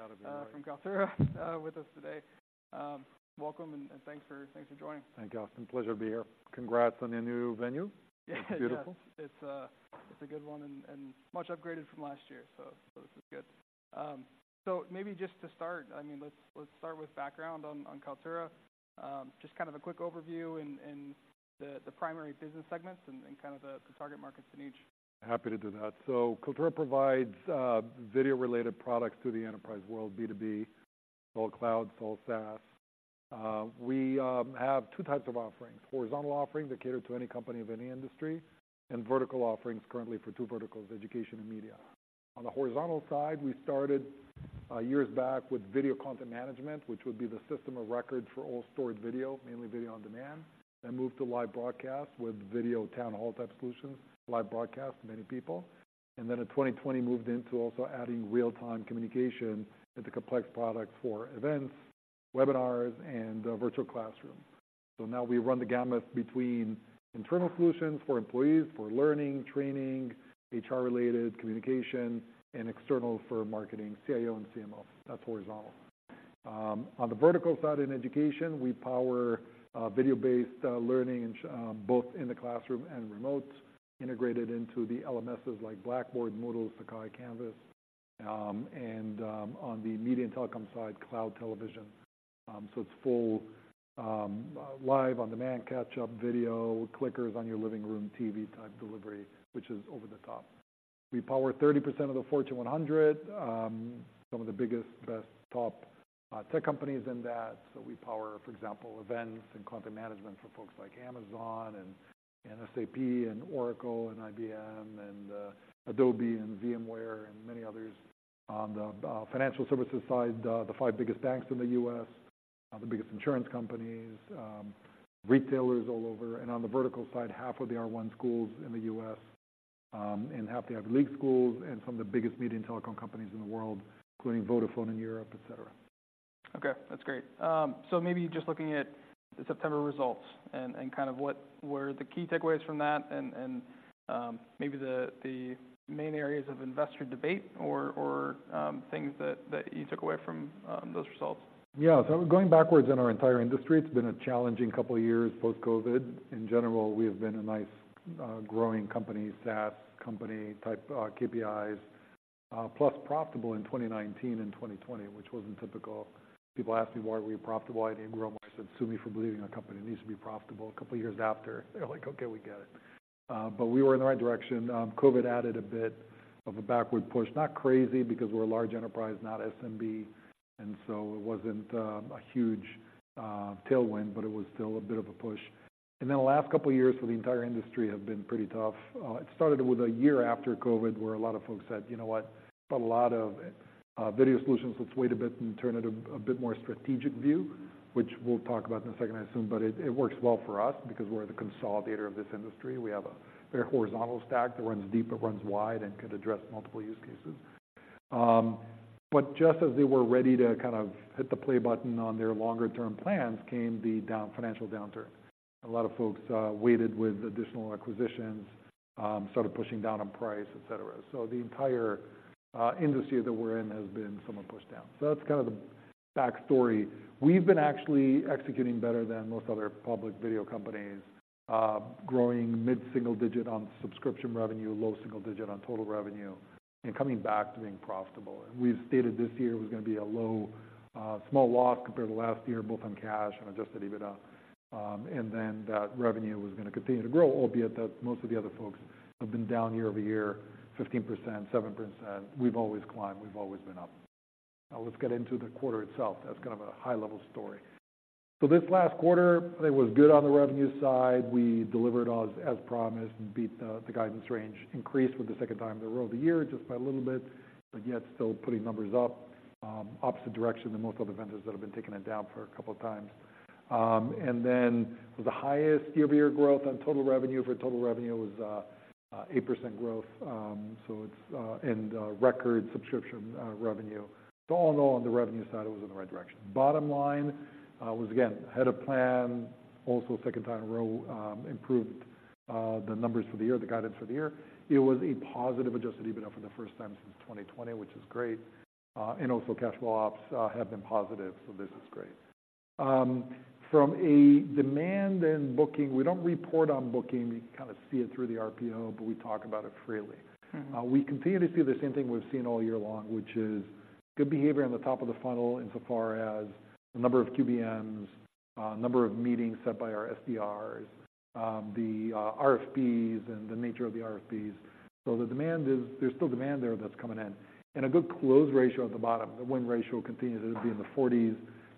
Got that right? You gotta be right. From Kaltura with us today. Welcome, and, and thanks for, thanks for joining. Thank you, Austin. Pleasure to be here. Congrats on your new venue. Yeah. Beautiful. It's a good one and much upgraded from last year, so this is good. So maybe just to start, I mean, let's start with background on Kaltura. Just kind of a quick overview and the primary business segments and kind of the target markets in each. Happy to do that. So Kaltura provides, video-related products to the enterprise world, B2B, all cloud, all SaaS. We have two types of offerings: horizontal offerings that cater to any company of any industry, and vertical offerings currently for two verticals, education and media. On the horizontal side, we started, years back with video content management, which would be the system of record for all stored video, mainly video-on-demand, and moved to live broadcast with video town hall-type solutions, live broadcast to many people. And then in 2020, moved into also adding real-time communication, it's a complex product for events, webinars, and, virtual classroom. So now we run the gamut between internal solutions for employees, for learning, training, HR-related communication, and external for marketing, CIO and CMO. That's horizontal. On the vertical side, in education, we power video-based learning both in the classroom and remote, integrated into the LMSs like Blackboard, Moodle, Sakai, Canvas, and on the media and telecom side, cloud television. So it's full live on-demand, catch-up video, clickers on your living room, TV-type delivery, which is over-the-top. We power 30% of the Fortune 100, some of the biggest, best, top tech companies in that. So we power, for example, events and content management for folks like Amazon and SAP and Oracle and IBM and Adobe and VMware, and many others. On the financial services side, the five biggest banks in the U.S., the biggest insurance companies, retailers all over, and on the vertical side, half of the R1 schools in the U.S., and half of the Ivy League schools, and some of the biggest media and telecom companies in the world, including Vodafone in Europe, et cetera. Okay, that's great. So maybe just looking at the September results and kind of what were the key takeaways from that and maybe the main areas of investor debate or things that you took away from those results. Yeah. So going backwards in our entire industry, it's been a challenging couple of years, post-COVID. In general, we have been a nice, growing company, SaaS company type, KPIs, plus profitable in 2019 and 2020, which wasn't typical. People ask me, "Why were you profitable and grew?" I said, "Sue me for believing our company needs to be profitable." A couple of years after, they're like: Okay, we get it. But we were in the right direction. COVID added a bit of a backward push. Not crazy, because we're a large enterprise, not SMB, and so it wasn't a huge tailwind, but it was still a bit of a push. And then the last couple of years for the entire industry have been pretty tough. It started with a year after COVID, where a lot of folks said, "You know what? Put a lot of video solutions. Let's wait a bit and turn it a bit more strategic view," which we'll talk about in a second, I assume. But it works well for us because we're the consolidator of this industry. We have a very horizontal stack that runs deep, it runs wide, and could address multiple use cases. But just as they were ready to kind of hit the play button on their longer-term plans, came the down financial downturn. A lot of folks waited with additional acquisitions, started pushing down on price, et cetera. So the entire industry that we're in has been somewhat pushed down. So that's kind of the backstory. We've been actually executing better than most other public video companies, growing mid-single digit on subscription revenue, low single digit on total revenue, and coming back to being profitable. We've stated this year was gonna be a low, small loss compared to last year, both on cash and adjusted EBITDA. And then that revenue was gonna continue to grow, albeit that most of the other folks have been down year over year, 15%, 7%. We've always climbed, we've always been up. Now, let's get into the quarter itself. That's kind of a high-level story. So this last quarter, I think, was good on the revenue side. We delivered as promised and beat the guidance range increase for the second time in a row of the year, just by a little bit, but yet still putting numbers up, opposite direction than most other vendors that have been taking it down for a couple of times. And then the highest year-over-year growth on total revenue, for total revenue was eight percent growth. So it's and record subscription revenue. So all in all, on the revenue side, it was in the right direction. Bottom line was, again, ahead of plan. Also, second time in a row, improved the numbers for the year, the guidance for the year. It was a positive Adjusted EBITDA for the first time since 2020, which is great. And also, cash flow ops have been positive, so this is great. From a demand and booking, we don't report on booking. You can kind of see it through the RPO, but we talk about it freely. Mm-hmm. We continue to see the same thing we've seen all year long, which is good behavior on the top of the funnel insofar as the number of QBMs, number of meetings set by our SDRs, the RFPs and the nature of the RFPs. So the demand is. There's still demand there that's coming in, and a good close ratio at the bottom. The win ratio continues to be in the 40s,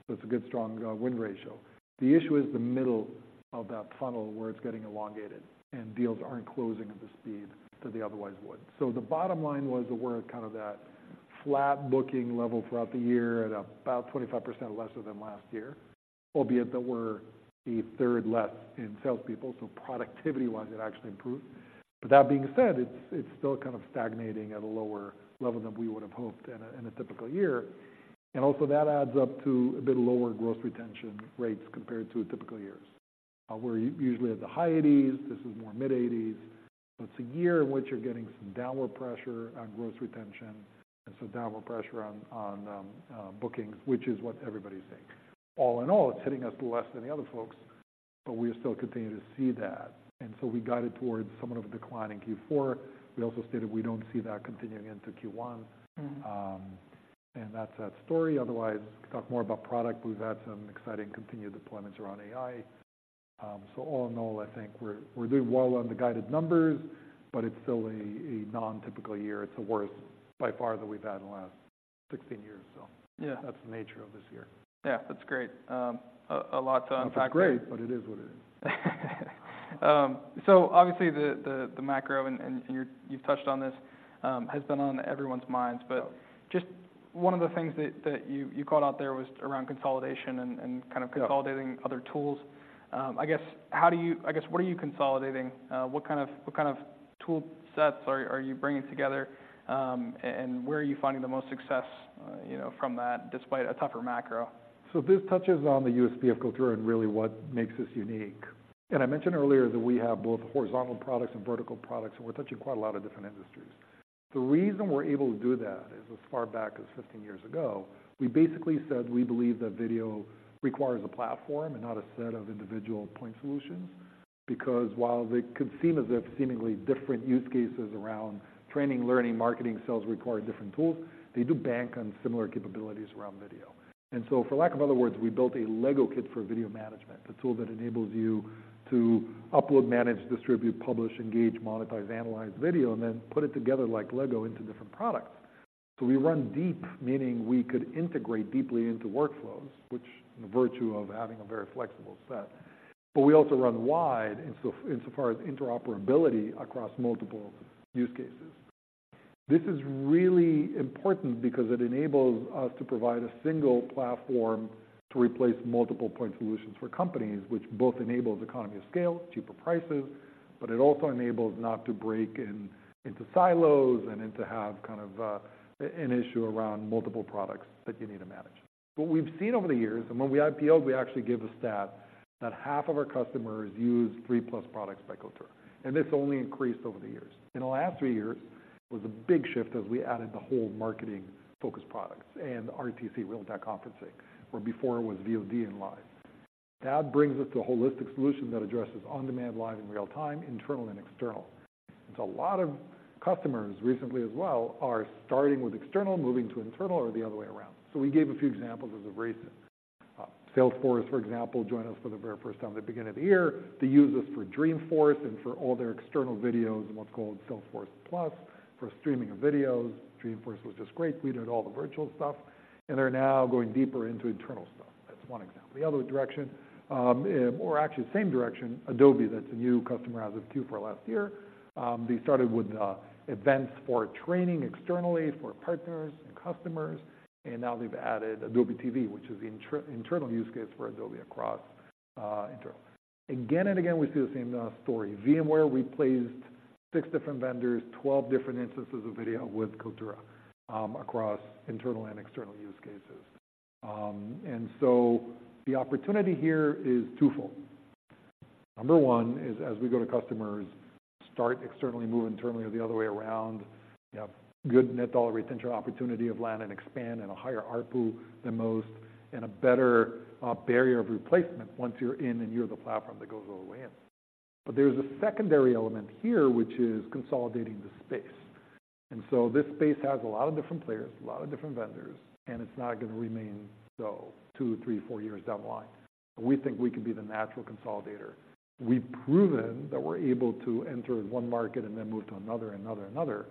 so it's a good, strong win ratio. The issue is the middle of that funnel, where it's getting elongated and deals aren't closing at the speed that they otherwise would. So the bottom line was that we're at kind of that flat booking level throughout the year, at about 25% lesser than last year, albeit that we're a third less in salespeople, so productivity-wise, it actually improved. But that being said, it's still kind of stagnating at a lower level than we would have hoped in a typical year. And also, that adds up to a bit lower Gross Retention rates compared to typical years. We're usually at the high 80s%, this is more mid-80s%. So it's a year in which you're getting some downward pressure on Gross Retention and some downward pressure on bookings, which is what everybody's seeing. All in all, it's hitting us less than the other folks, but we are still continuing to see that. And so we guided towards somewhat of a decline in Q4. We also stated we don't see that continuing into Q1. Mm-hmm. And that's that story. Otherwise, we talk more about product. We've had some exciting continued deployments around AI. So all in all, I think we're doing well on the guided numbers, but it's still a non-typical year. It's the worst by far that we've had in the last 16 years. So- Yeah. That's the nature of this year. Yeah, that's great. A lot to unpack there. It's great, but it is what it is. So obviously, the macro and you've touched on this has been on everyone's minds. Yeah. Just one of the things that you called out there was around consolidation and kind of- Yeah consolidating other tools. I guess, how do you, I guess, what are you consolidating? What kind of tool sets are you bringing together? And where are you finding the most success, you know, from that, despite a tougher macro? This touches on the USP of Kaltura and really what makes us unique. I mentioned earlier that we have both horizontal products and vertical products, and we're touching quite a lot of different industries. The reason we're able to do that is, as far back as 15 years ago, we basically said we believe that video requires a platform and not a set of individual point solutions. Because while they could seem as if seemingly different use cases around training, learning, marketing, sales require different tools, they do bank on similar capabilities around video. So, for lack of other words, we built a Lego kit for video management, a tool that enables you to upload, manage, distribute, publish, engage, monetize, analyze video, and then put it together, like Lego, into different products. So we run deep, meaning we could integrate deeply into workflows, which the virtue of having a very flexible set, but we also run wide, insofar as interoperability across multiple use cases. This is really important because it enables us to provide a single platform to replace multiple point solutions for companies, which both enables economy of scale, cheaper prices, but it also enables not to break in, into silos and then to have kind of, an issue around multiple products that you need to manage. What we've seen over the years, and when we IPO'd, we actually gave a stat that half of our customers use 3+ products by Kaltura, and it's only increased over the years. In the last three years, it was a big shift as we added the whole marketing-focused products and RTC, real-time conferencing, where before it was VOD and Live. That brings us to a holistic solution that addresses on-demand, live, and real-time, internal and external. So a lot of customers, recently as well, are starting with external, moving to internal or the other way around. So we gave a few examples as of recent. Salesforce, for example, joined us for the very first time at the beginning of the year. They use us for Dreamforce and for all their external videos and what's called Salesforce+ for streaming of videos. Dreamforce was just great. We did all the virtual stuff, and they're now going deeper into internal stuff. That's one example. The other direction, or actually the same direction, Adobe, that's a new customer as of Q4 last year. They started with events for training externally for partners and customers, and now they've added Adobe TV, which is the internal use case for Adobe across internal. Again and again, we see the same story. VMware replaced six different vendors, 12 different instances of video with Kaltura, across internal and external use cases. And so the opportunity here is twofold. Number one is, as we go to customers, start externally, move internally or the other way around, you have good Net Dollar Retention, opportunity of land and expand, and a higher ARPU than most, and a better barrier of replacement once you're in and you're the platform that goes all the way in. But there's a secondary element here, which is consolidating the space. And so this space has a lot of different players, a lot of different vendors, and it's not going to remain so two, three, four years down the line. We think we can be the natural consolidator. We've proven that we're able to enter one market and then move to another, another, another,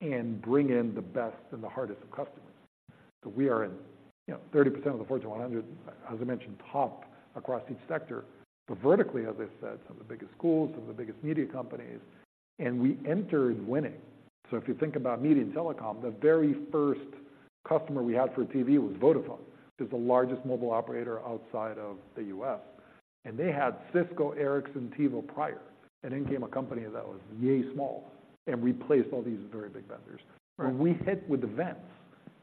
and bring in the best and the hardest of customers. So we are in, you know, 30% of the Fortune 100, as I mentioned, top across each sector, but vertically, as I said, some of the biggest schools, some of the biggest media companies, and we entered winning. So if you think about media and telecom, the very first customer we had for TV was Vodafone, is the largest mobile operator outside of the US, and they had Cisco, Ericsson, and TiVo prior. In came a company that was yeah small and replaced all these very big vendors. Right. And we hit with events.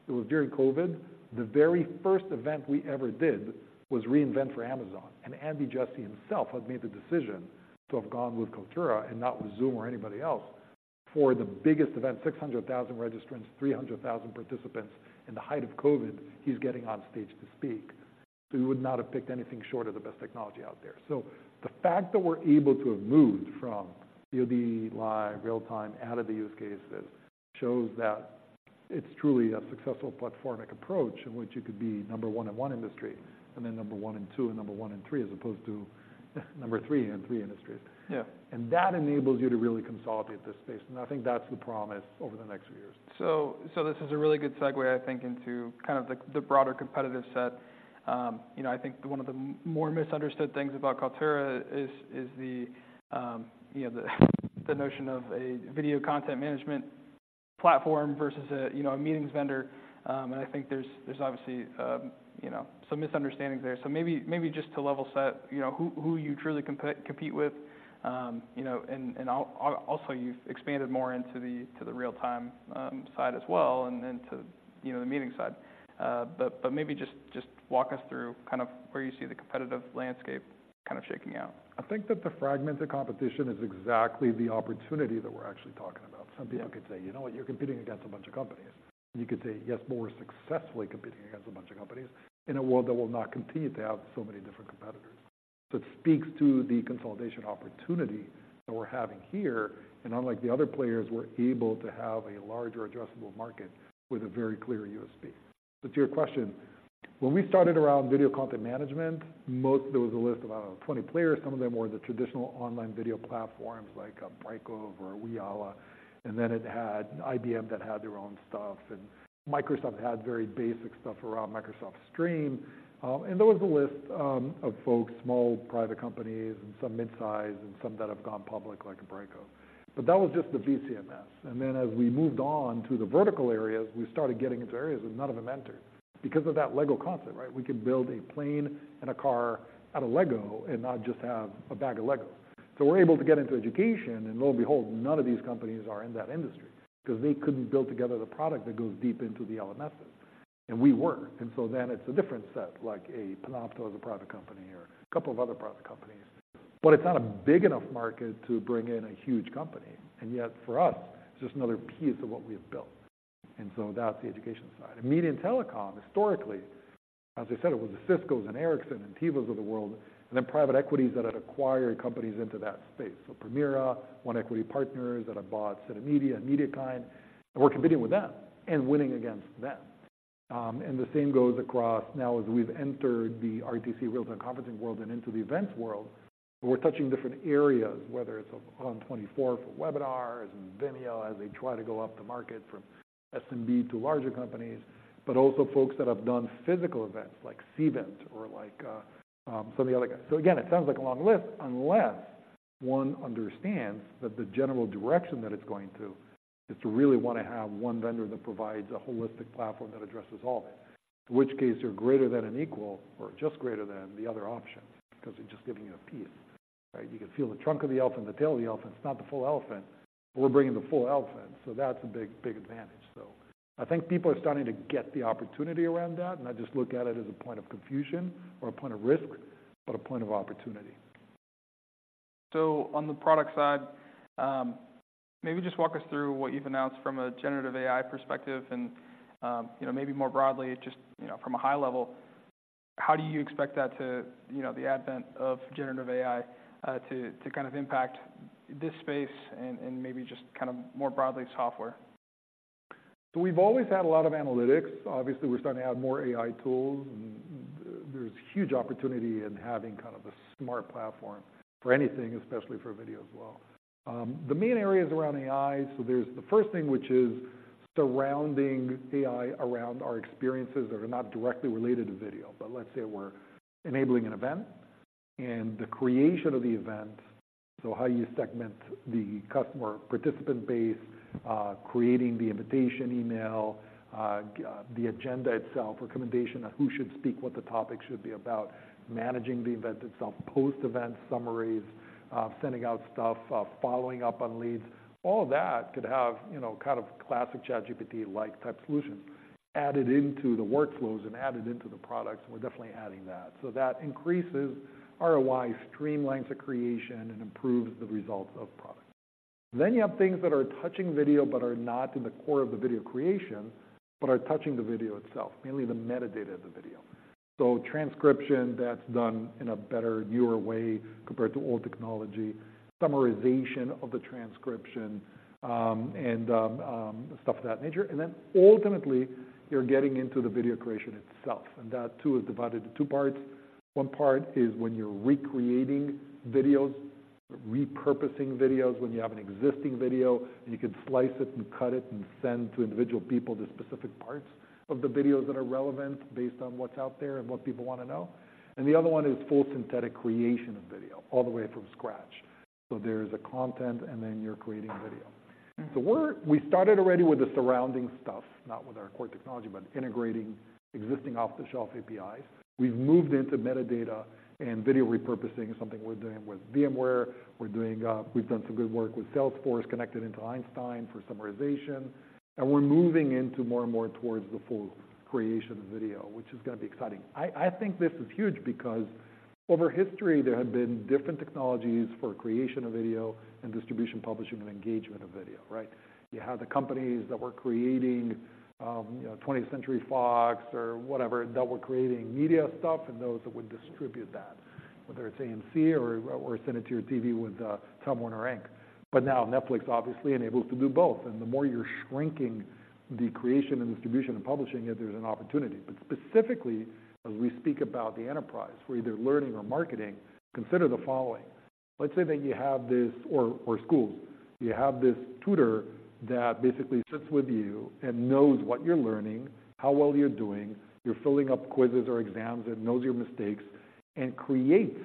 It was during COVID. The very first event we ever did was re:Invent for Amazon, and Andy Jassy himself had made the decision to have gone with Kaltura and not with Zoom or anybody else. For the biggest event, 600,000 registrants, 300,000 participants in the height of COVID, he's getting on stage to speak. So we would not have picked anything short of the best technology out there. So the fact that we're able to have moved from VOD, live, real-time, out of the use cases, shows that it's truly a successful platformic approach in which you could be number one in one industry, and then number one in two, and number one in three, as opposed to number three in three industries. Yeah. That enables you to really consolidate this space, and I think that's the promise over the next few years. So, this is a really good segue, I think, into kind of the broader competitive set. You know, I think one of the more misunderstood things about Kaltura is the notion of a video content management platform versus a meetings vendor. And I think there's obviously some misunderstandings there. So maybe just to level set, you know, who you truly compete with, and also, you've expanded more into the real-time side as well, and then to the meeting side. But maybe just walk us through kind of where you see the competitive landscape kind of shaking out. I think that the fragmented competition is exactly the opportunity that we're actually talking about. Yeah. Some people could say, "You know what? You're competing against a bunch of companies." You could say, "Yes, but we're successfully competing against a bunch of companies in a world that will not continue to have so many different competitors." So it speaks to the consolidation opportunity that we're having here, and unlike the other players, we're able to have a larger addressable market with a very clear USP. But to your question, when we started around video content management, there was a list of about 20 players. Some of them were the traditional online video platforms, like a Brightcove or a Ooyala, and then it had IBM that had their own stuff, and Microsoft had very basic stuff around Microsoft Stream. And there was a list of folks, small private companies and some mid-size and some that have gone public, like a Brightcove. But that was just the VCMS, and then as we moved on to the vertical areas, we started getting into areas that none of them entered because of that Lego concept, right? We could build a plane and a car out of Lego and not just have a bag of Legos. So we're able to get into education, and lo and behold, none of these companies are in that industry because they couldn't build together the product that goes deep into the LMSs, and we were. And so then it's a different set, like a Panopto as a product company or a couple of other product companies, but it's not a big enough market to bring in a huge company. And yet for us, it's just another piece of what we've built, and so that's the education side. Media and telecom, historically, as I said, it was the Ciscos and Ericssons and TiVos of the world, and then private equities that had acquired companies into that space. So Permira, One Equity Partners, that have bought Synamedia and MediaKind, and we're competing with them and winning against them. And the same goes across now as we've entered the RTC, real-time conferencing world, and into the events world, but we're touching different areas, whether it's ON24 for webinars and Vimeo, as they try to go up the market from SMB to larger companies, but also folks that have done physical events like Cvent or like, some of the other guys. So again, it sounds like a long list, unless one understands that the general direction that it's going to, is to really want to have one vendor that provides a holistic platform that addresses all of it. In which case, you're greater than and equal, or just greater than the other options, because they're just giving you a piece, right? You can feel the trunk of the elephant, the tail of the elephant. It's not the full elephant, but we're bringing the full elephant, so that's a big, big advantage. So I think people are starting to get the opportunity around that, not just look at it as a point of confusion or a point of risk, but a point of opportunity. On the product side, maybe just walk us through what you've announced from a generative AI perspective and, you know, maybe more broadly, just, you know, from a high level, how do you expect that to, you know, the advent of generative AI, to kind of impact this space and maybe just kind of more broadly, software? So we've always had a lot of analytics. Obviously, we're starting to add more AI tools, and there's huge opportunity in having kind of a smart platform for anything, especially for video as well. The main areas around AI, so there's the first thing, which is surrounding AI around our experiences that are not directly related to video. But let's say we're enabling an event and the creation of the event, so how you segment the customer participant base, creating the invitation email, the agenda itself, recommendation on who should speak, what the topic should be about, managing the event itself, post-event summaries, sending out stuff, following up on leads. All of that could have, you know, kind of classic ChatGPT-like type solution added into the workflows and added into the products, and we're definitely adding that. So that increases ROI, streamlines the creation, and improves the results of products. Then you have things that are touching video but are not in the core of the video creation, but are touching the video itself, mainly the metadata of the video. So transcription, that's done in a better, newer way compared to old technology, summarization of the transcription, and stuff of that nature. And then ultimately, you're getting into the video creation itself, and that too, is divided into two parts. One part is when you're recreating videos, repurposing videos, when you have an existing video, and you can slice it and cut it and send to individual people the specific parts of the videos that are relevant based on what's out there and what people want to know. And the other one is full synthetic creation of video, all the way from scratch. So there's a content, and then you're creating video. So we're we started already with the surrounding stuff, not with our core technology, but integrating existing off-the-shelf APIs. We've moved into metadata, and video repurposing is something we're doing with VMware. We're doing, we've done some good work with Salesforce, connected into Einstein for summarization, and we're moving into more and more towards the full creation of video, which is gonna be exciting. I think this is huge because over history, there have been different technologies for creation of video and distribution, publishing, and engagement of video, right? You had the companies that were creating, you know, 20th Century Fox or whatever, that were creating media stuff and those that would distribute that, whether it's AMC or send it to your TV with, Time Warner Inc. But now Netflix obviously enables to do both, and the more you're shrinking the creation and distribution and publishing it, there's an opportunity. But specifically, as we speak about the enterprise, for either learning or marketing, consider the following. Let's say that you have this—or schools. You have this tutor that basically sits with you and knows what you're learning, how well you're doing. You're filling up quizzes or exams and knows your mistakes, and creates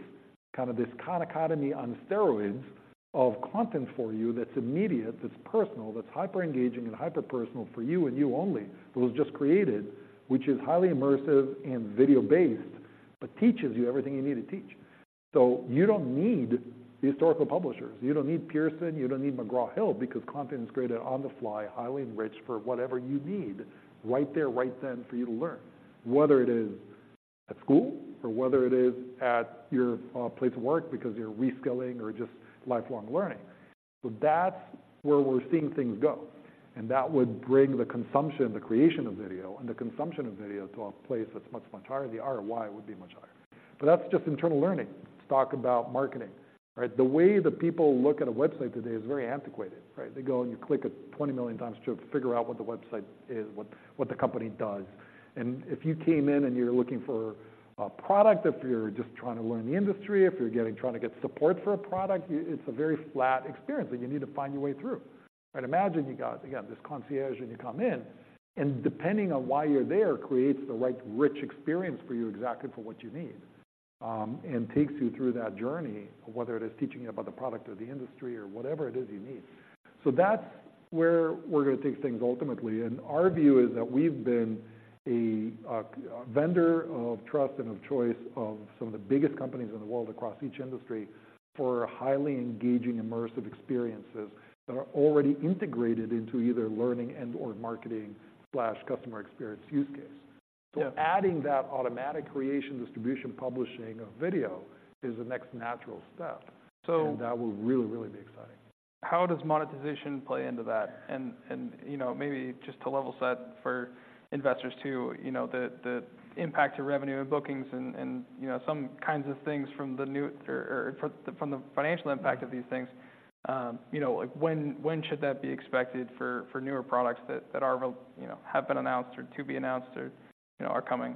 kind of this concoction on steroids of content for you that's immediate, that's personal, that's hyper-engaging and hyper personal for you and you only, but it was just created, which is highly immersive and video-based, but teaches you everything you need to teach. So you don't need the historical publishers, you don't need Pearson, you don't need McGraw Hill, because content is created on the fly, highly enriched for whatever you need, right there, right then for you to learn, whether it is at school or whether it is at your place of work because you're reskilling or just lifelong learning. So that's where we're seeing things go. And that would bring the consumption, the creation of video and the consumption of video to a place that's much, much higher. The ROI would be much higher. But that's just internal learning. Let's talk about marketing, right? The way that people look at a website today is very antiquated, right? They go and you click it 20 million times to figure out what the website is, what, what the company does. If you came in and you're looking for a product, if you're just trying to learn the industry, if you're trying to get support for a product, it's a very flat experience, and you need to find your way through, right? Imagine you got, again, this concierge, and you come in, and depending on why you're there, creates the right rich experience for you, exactly for what you need, and takes you through that journey, whether it is teaching you about the product or the industry or whatever it is you need. So that's where we're gonna take things ultimately, and our view is that we've been a vendor of trust and of choice of some of the biggest companies in the world across each industry for highly engaging, immersive experiences that are already integrated into either learning and/or marketing/customer experience use case. So adding that automatic creation, distribution, publishing of video is the next natural step. So- That will really, really be exciting. How does monetization play into that? You know, maybe just to level set for investors too, you know, the impact to revenue and bookings and, you know, some kinds of things from the new or from the financial impact of these things, you know, like, when should that be expected for newer products that are you know have been announced or to be announced or, you know, are coming?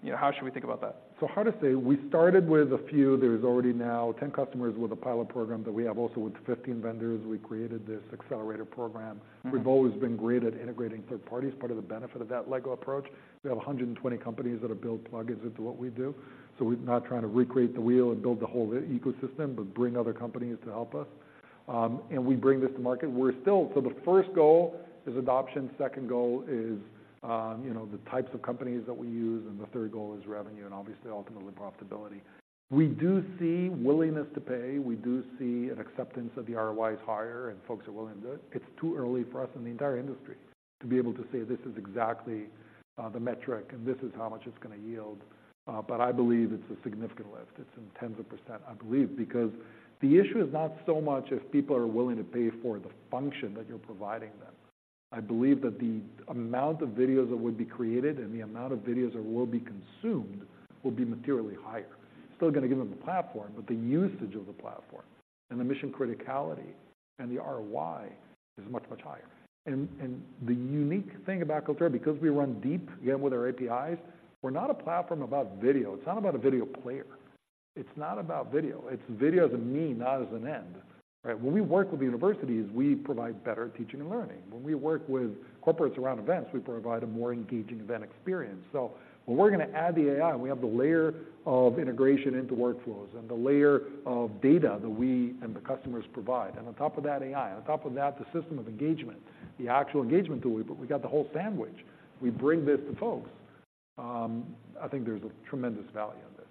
You know, how should we think about that? So hard to say. We started with a few. There's already now 10 customers with a pilot program that we have also with 15 vendors. We created this accelerator program. Mm-hmm. We've always been great at integrating third parties, part of the benefit of that Lego approach. We have 120 companies that have built plugins into what we do, so we're not trying to recreate the wheel and build the whole ecosystem, but bring other companies to help us. And we bring this to market. So the first goal is adoption, second goal is, you know, the types of companies that we use, and the third goal is revenue and obviously ultimately profitability. We do see willingness to pay. We do see an acceptance of the ROI is higher and folks are willing to do it. It's too early for us in the entire industry to be able to say this is exactly, the metric and this is how much it's gonna yield, but I believe it's a significant lift. It's in tens of %, I believe, because the issue is not so much if people are willing to pay for the function that you're providing them. I believe that the amount of videos that would be created and the amount of videos that will be consumed will be materially higher. Still gonna give them the platform, but the usage of the platform and the mission criticality and the ROI is much, much higher. And, and the unique thing about Kaltura, because we run deep, again, with our APIs, we're not a platform about video. It's not about a video player. It's not about video. It's video as a mean, not as an end, right? When we work with universities, we provide better teaching and learning. When we work with corporates around events, we provide a more engaging event experience. So when we're gonna add the AI, we have the layer of integration into workflows and the layer of data that we and the customers provide, and on top of that, AI, on top of that, the system of engagement, the actual engagement tool, we got the whole sandwich. We bring this to folks. I think there's a tremendous value in this.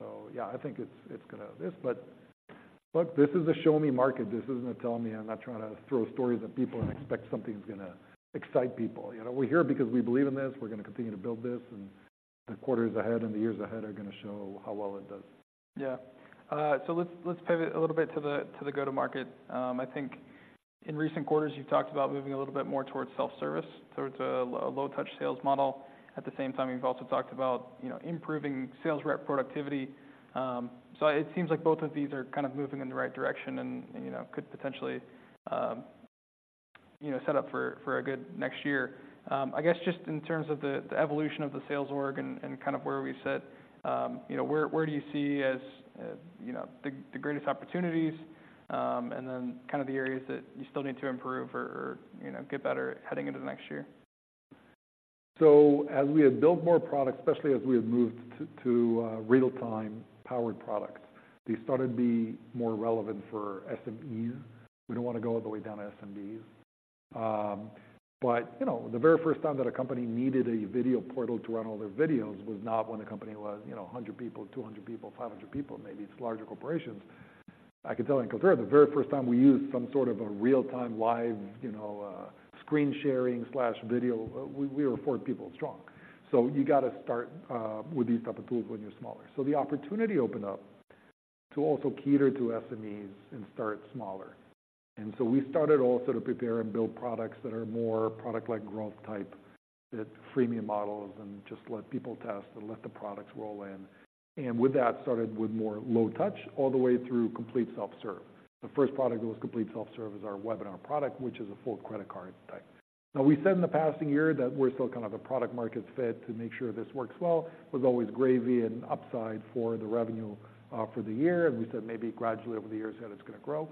So yeah, I think it's, it's gonna this, but look, this is a show-me market. This isn't a tell-me, I'm not trying to throw stories at people and expect something's gonna excite people. You know, we're here because we believe in this. We're gonna continue to build this, and the quarters ahead and the years ahead are gonna show how well it does. Yeah. So let's pivot a little bit to the go-to-market. I think in recent quarters, you've talked about moving a little bit more towards self-service, towards a low-touch sales model. At the same time, you've also talked about, you know, improving sales rep productivity. So it seems like both of these are kind of moving in the right direction and, you know, could potentially set up for a good next year. I guess just in terms of the evolution of the sales org and kind of where we sit, you know, where do you see as the greatest opportunities? And then kind of the areas that you still need to improve or, you know, get better heading into the next year. So as we have built more products, especially as we have moved to real-time powered products, they started to be more relevant for SMEs. We don't want to go all the way down to SMBs. But, you know, the very first time that a company needed a video portal to run all their videos was not when the company was, you know, 100 people, 200 people, 500 people, maybe it's larger corporations. I can tell you in comparison, the very first time we used some sort of a real-time, live, you know, screen sharing/video, we were four people strong. So you got to start with these type of tools when you're smaller. So the opportunity opened up to also cater to SMEs and start smaller. And so we started also to prepare and build products that are more product-like growth type, that freemium models, and just let people test and let the products roll in. And with that, started with more low touch all the way through complete self-serve. The first product that was complete self-serve is our webinar product, which is a full credit card type. Now, we said in the past year that we're still kind of a product market fit to make sure this works well. Was always gravy and upside for the revenue, for the year, and we said maybe gradually over the years that it's gonna grow.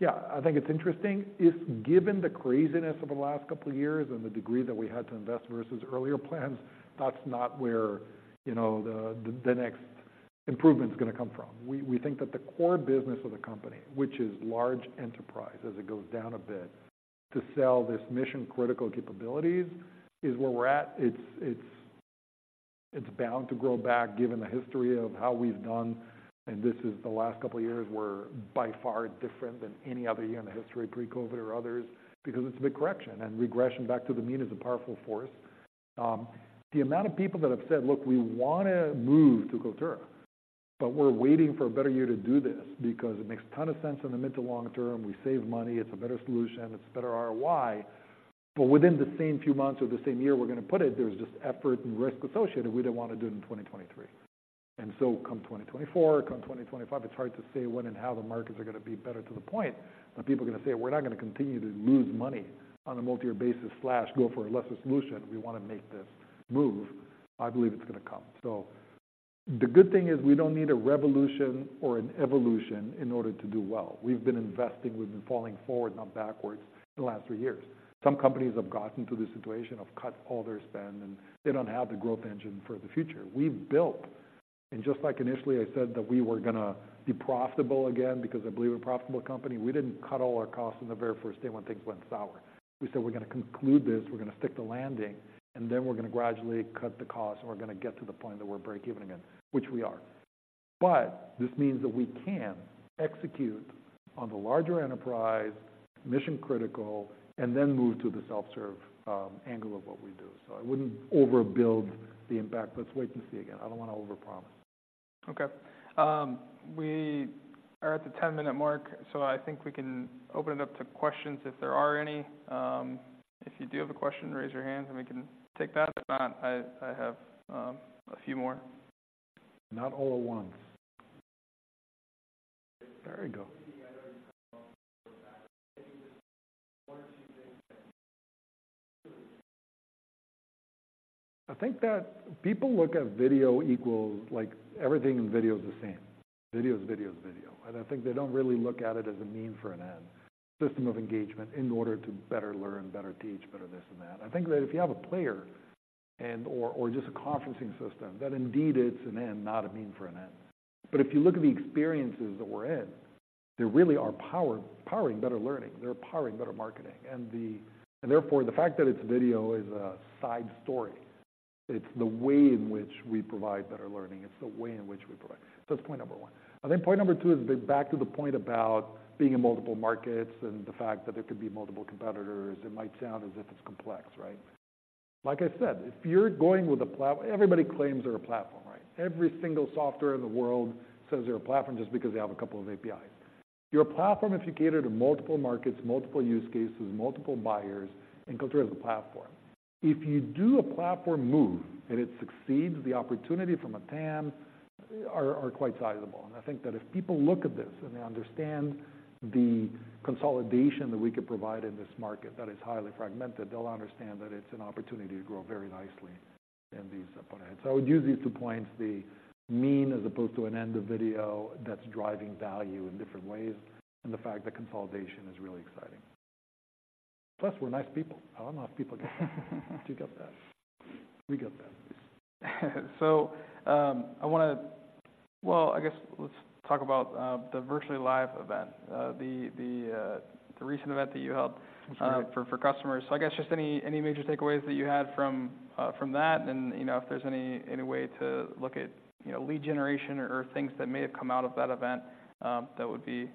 Yeah, I think it's interesting. If given the craziness of the last couple of years and the degree that we had to invest versus earlier plans, that's not where, you know, the next improvement is gonna come from. We think that the core business of the company, which is large enterprise, as it goes down a bit, to sell this mission-critical capabilities, is where we're at. It's bound to grow back, given the history of how we've done, and this is the last couple of years were by far different than any other year in the history, pre-COVID or others, because it's a big correction, and regression back to the mean is a powerful force. The amount of people that have said, "Look, we wanna move to Kaltura, but we're waiting for a better year to do this because it makes a ton of sense in the mid to long term. We save money, it's a better solution, it's better ROI, but within the same few months or the same year we're gonna put it, there's just effort and risk associated. We didn't want to do it in 2023." And so come 2024, come 2025, it's hard to say when and how the markets are gonna be better to the point that people are gonna say, "We're not gonna continue to lose money on a multi-year basis/go for a lesser solution. We wanna make this move." I believe it's gonna come. So the good thing is we don't need a revolution or an evolution in order to do well. We've been investing, we've been falling forward, not backwards, in the last three years. Some companies have gotten to the situation of cut all their spend, and they don't have the growth engine for the future. We've built, and just like initially, I said that we were gonna be profitable again because I believe we're a profitable company. We didn't cut all our costs on the very first day when things went sour. We said, "We're gonna conclude this, we're gonna stick the landing, and then we're gonna gradually cut the cost, and we're gonna get to the point that we're break even again," which we are. But this means that we can execute on the larger enterprise, mission-critical, and then move to the self-serve, angle of what we do. So I wouldn't overbuild the impact. Let's wait and see again. I don't wanna overpromise. Okay. We are at the 10-minute mark, so I think we can open it up to questions if there are any. If you do have a question, raise your hand, and we can take that. If not, I have a few more. Not all at one. There you go. One or two things that- I think that people look at video equals like everything in video is the same. Video is video, is video. And I think they don't really look at it as a means for an end, system of engagement in order to better learn, better teach, better this and that. I think that if you have a player and, or, or just a conferencing system, that indeed it's an end, not a means for an end. But if you look at the experiences that we're in, they really are powering better learning. They're powering better marketing. And therefore, the fact that it's video is a side story. It's the way in which we provide better learning. It's the way in which we provide... That's point number one. I think point number two is back to the point about being in multiple markets and the fact that there could be multiple competitors. It might sound as if it's complex, right? Like I said, if you're going with a platform. Everybody claims they're a platform, right? Every single software in the world says they're a platform just because they have a couple of APIs. You're a platform if you cater to multiple markets, multiple use cases, multiple buyers, and Kaltura is a platform. If you do a platform move and it succeeds, the opportunity from a TAM are quite sizable. And I think that if people look at this and they understand the consolidation that we could provide in this market that is highly fragmented, they'll understand that it's an opportunity to grow very nicely in these components. So I would use these two points, the mean, as opposed to an end of video that's driving value in different ways, and the fact that consolidation is really exciting. Plus, we're nice people. I don't know if people get that. You get that. We get that. I wanna... Well, I guess let's talk about the Virtually Live event, the recent event that you held- That's right... for customers. So I guess just any major takeaways that you had from that, and, you know, if there's any way to look at, you know, lead generation or things that may have come out of that event, that would be...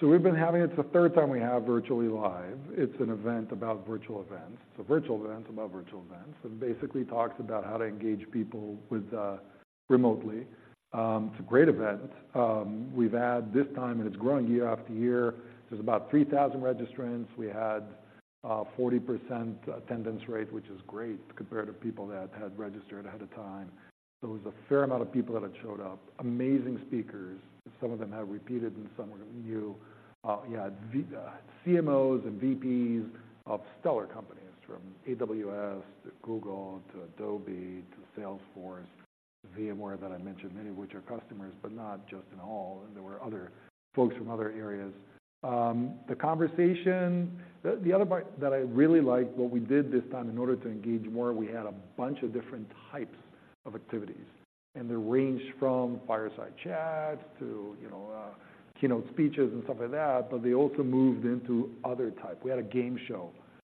So we've been having it. It's the third time we have Virtually Live. It's an event about virtual events. So virtual events about virtual events, and basically talks about how to engage people with remotely. It's a great event. We've had this time, and it's growing year after year. There's about 3,000 registrants. We had 40% attendance rate, which is great compared to people that had registered ahead of time. So it was a fair amount of people that had showed up. Amazing speakers. Some of them have repeated, and some were new. Yeah, CMOs and VPs of stellar companies, from AWS, to Google, to Adobe, to Salesforce, VMware that I mentioned, many of which are customers, but not just in all. There were other folks from other areas. The conversation, the other part that I really liked, what we did this time, in order to engage more, we had a bunch of different types of activities, and they ranged from fireside chats to, you know, keynote speeches and stuff like that, but they also moved into other type. We had a game show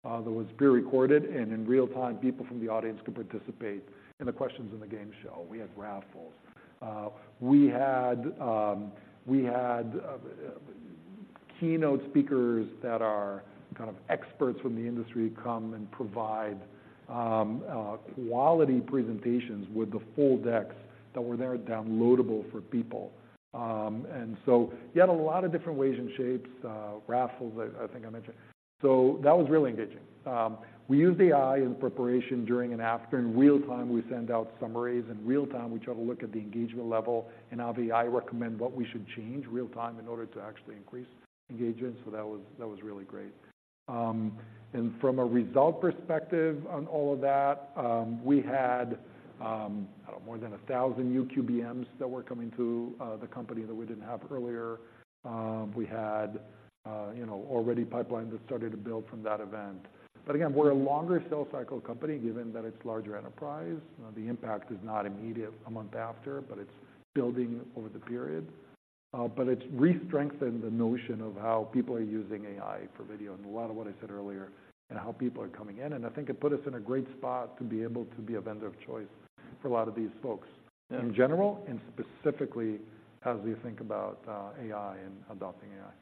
that was pre-recorded, and in real-time, people from the audience could participate in the questions in the game show. We had raffles. We had keynote speakers that are kind of experts from the industry, come and provide quality presentations with the full decks that were there, downloadable for people. And so you had a lot of different ways and shapes, raffles, I think I mentioned. So that was really engaging. We used AI in preparation during and after. In real time, we send out summaries. In real time, we try to look at the engagement level, and now the AI recommend what we should change real time in order to actually increase it, engagement, so that was, that was really great. And from a result perspective on all of that, we had, I don't know, more than 1,000 new QBMs that were coming to the company that we didn't have earlier. We had, you know, already pipeline that started to build from that event. But again, we're a longer sales cycle company, given that it's larger enterprise. The impact is not immediate a month after, but it's building over the period. But it's re-strengthened the notion of how people are using AI for video, and a lot of what I said earlier and how people are coming in. I think it put us in a great spot to be able to be a vendor of choice for a lot of these folks- Yeah -in general and specifically as we think about AI and adopting AI.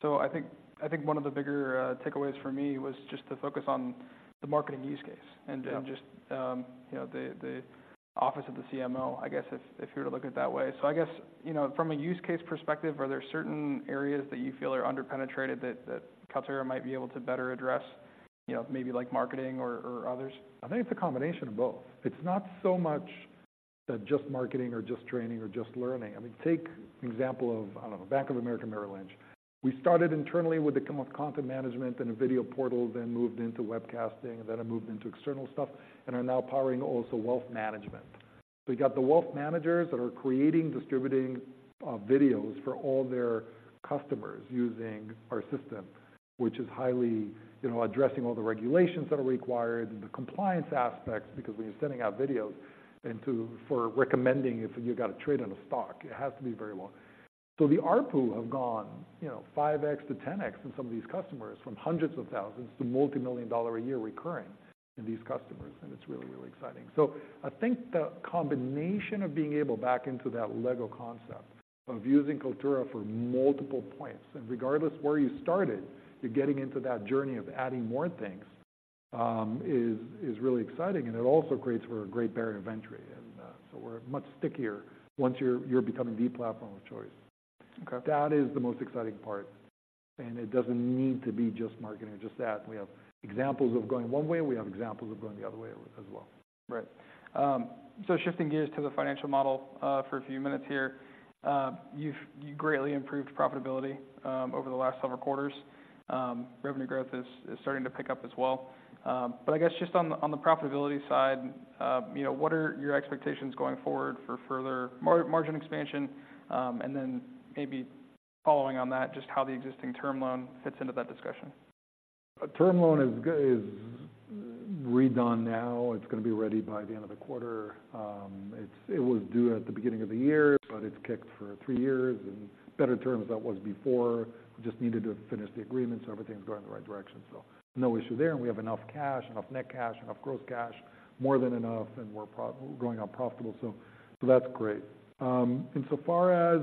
So I think, I think one of the bigger takeaways for me was just to focus on the marketing use case- Yeah -and then just, you know, the office of the CMO, I guess, if you were to look at it that way. So I guess, you know, from a use case perspective, are there certain areas that you feel are underpenetrated that Kaltura might be able to better address, you know, maybe like marketing or others? I think it's a combination of both. It's not so much that just marketing or just training or just learning. I mean, take the example of, I don't know, Bank of America, Merrill Lynch. We started internally with the content management and a video portal, then moved into webcasting, and then it moved into external stuff, and are now powering also wealth management. So we got the wealth managers that are creating, distributing, videos for all their customers using our system, which is highly, you know, addressing all the regulations that are required and the compliance aspects. Because when you're sending out videos into—for recommending, if you've got to trade on a stock, it has to be very long. So the ARPU have gone, you know, 5x-10x in some of these customers, from hundreds of thousands to multi-million-dollar a year recurring in these customers, and it's really, really exciting. So I think the combination of being able, back into that Lego concept, of using Kaltura for multiple points, and regardless of where you started, you're getting into that journey of adding more things, is really exciting, and it also creates for a great barrier of entry. And, so we're much stickier once you're becoming the platform of choice. Okay. That is the most exciting part, and it doesn't need to be just marketing or just that. We have examples of going one way, and we have examples of going the other way as well. Right. So shifting gears to the financial model, for a few minutes here. You've greatly improved profitability over the last several quarters. Revenue growth is starting to pick up as well. But I guess just on the profitability side, you know, what are your expectations going forward for further margin expansion? And then maybe following on that, just how the existing term loan fits into that discussion. A term loan is redone now. It's gonna be ready by the end of the quarter. It was due at the beginning of the year, but it's kicked for three years, in better terms than it was before. We just needed to finish the agreement, so everything's going in the right direction, so no issue there. And we have enough cash, enough net cash, enough gross cash, more than enough, and we're going out profitable, so that's great. And so far as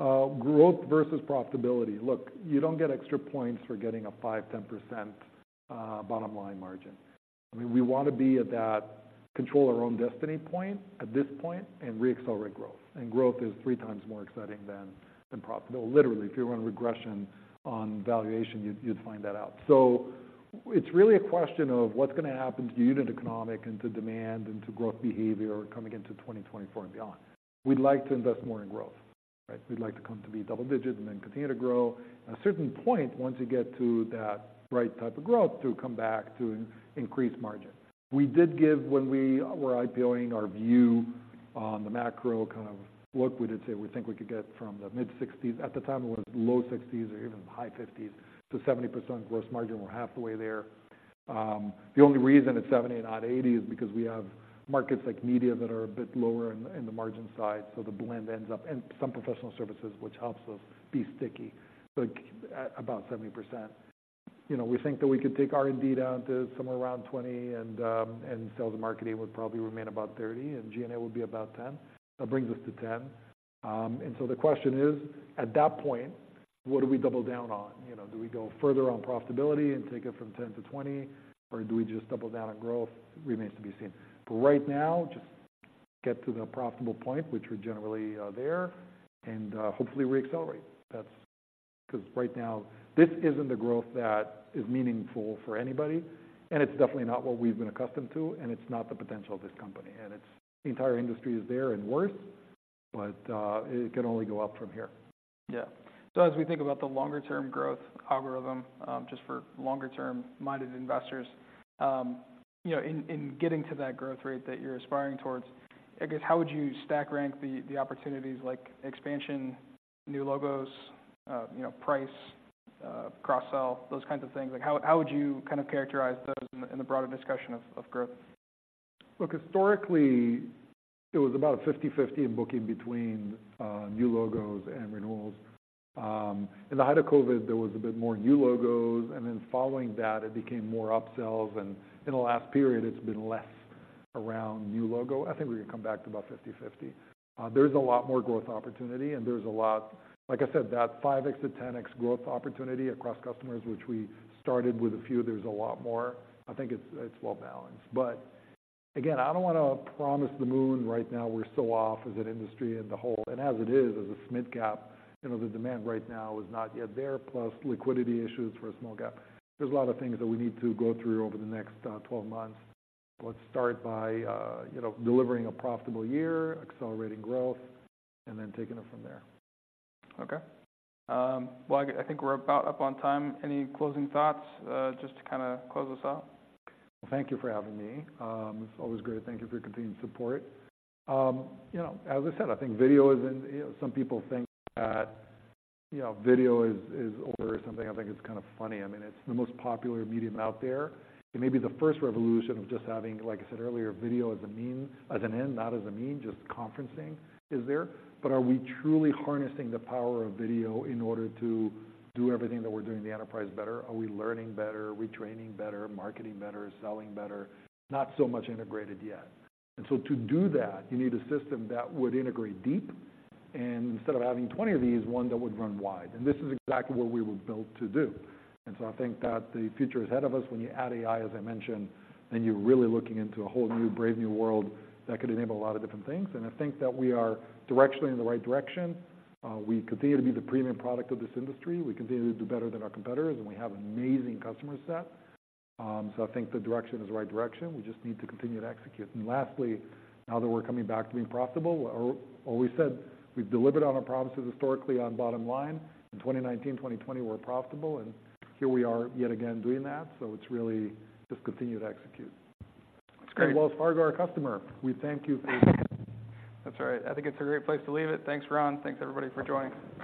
growth versus profitability, look, you don't get extra points for getting a 5%-10% bottom line margin. I mean, we want to be at that control our own destiny point at this point and reaccelerate growth. And growth is three times more exciting than profitability. Literally, if you run a regression on valuation, you'd find that out. So it's really a question of what's gonna happen to the unit economics and to demand and to growth behavior coming into 2024 and beyond. We'd like to invest more in growth, right? We'd like to come to be double digits and then continue to grow. At a certain point, once you get to that right type of growth, to come back to increase margin. We did give... When we were IPO-ing our view on the macro kind of look, we did say we think we could get from the mid-60s%. At the time, it was low 60s% or even high 50s% to 70% gross margin. We're halfway there. The only reason it's 70 and not 80 is because we have markets like media that are a bit lower in the margin side, so the blend ends up, and some professional services, which helps us be sticky, so about 70%. You know, we think that we could take R&D down to somewhere around 20 and sales and marketing would probably remain about 30, and G&A would be about 10. That brings us to 10. And so the question is, at that point, what do we double down on? You know, do we go further on profitability and take it from 10 to 20, or do we just double down on growth? Remains to be seen. But right now, just get to the profitable point, which we're generally there, and hopefully re-accelerate. That's because right now, this isn't the growth that is meaningful for anybody, and it's definitely not what we've been accustomed to, and it's not the potential of this company, and it's the entire industry is there and worse, but it can only go up from here. Yeah. So as we think about the longer-term growth algorithm, just for longer-term minded investors, you know, in getting to that growth rate that you're aspiring towards, I guess, how would you stack rank the opportunities like expansion, new logos, you know, price, cross-sell, those kinds of things? Like, how would you kind of characterize those in the broader discussion of growth? Look, historically, it was about 50/50 in booking between new logos and renewals. In the height of COVID, there was a bit more new logos, and then following that, it became more upsells, and in the last period, it's been less around new logo. I think we're gonna come back to about 50/50. There's a lot more growth opportunity, and there's a lot—like I said, that 5x to 10x growth opportunity across customers, which we started with a few, there's a lot more. I think it's well balanced. But again, I don't wanna promise the moon right now. We're so off as an industry as a whole, and as it is, as a mid-cap, you know, the demand right now is not yet there, plus liquidity issues for a small cap. There's a lot of things that we need to go through over the next 12 months. Let's start by, you know, delivering a profitable year, accelerating growth, and then taking it from there. Okay. Well, I think we're about up on time. Any closing thoughts, just to kinda close us out? Thank you for having me. It's always great. Thank you for your continued support. You know, as I said, I think video is in... You know, some people think that, you know, video is, is over or something. I think it's kind of funny. I mean, it's the most popular medium out there. It may be the first revolution of just having, like I said earlier, video as a mean-- as an end, not as a mean, just conferencing is there. But are we truly harnessing the power of video in order to do everything that we're doing in the enterprise better? Are we learning better? Are we training better, marketing better, selling better? Not so much integrated yet. And so to do that, you need a system that would integrate deep, and instead of having 20 of these, one that would run wide. And this is exactly what we were built to do. And so I think that the future is ahead of us. When you add AI, as I mentioned, then you're really looking into a whole new, brave, new world that could enable a lot of different things. And I think that we are directionally in the right direction. We continue to be the premium product of this industry. We continue to do better than our competitors, and we have an amazing customer set. So I think the direction is the right direction. We just need to continue to execute. And lastly, now that we're coming back to being profitable, what we said, we've delivered on our promises historically on bottom line. In 2019, 2020, we're profitable, and here we are yet again doing that, so it's really just continue to execute. That's great. Wells Fargo, our customer, we thank you for... That's all right. I think it's a great place to leave it. Thanks, Ron. Thanks, everybody, for joining.